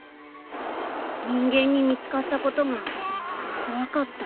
人間に見つかったことが怖かった。